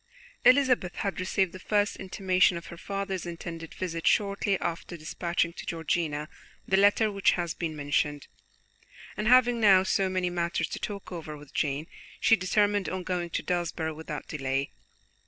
Elizabeth had received the first intimation of her father's intended visit shortly after dispatching to Georgiana the letter which has been mentioned, and having now so many matters to talk over with Jane, she determined on going to Desborough without delay.